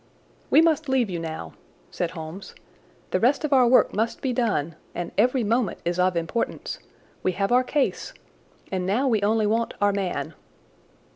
"We must leave you now," said Holmes. "The rest of our work must be done, and every moment is of importance. We have our case, and now we only want our man.